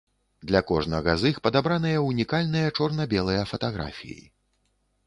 Для кожнага з іх падабраныя унікальныя чорна-белыя фатаграфіі.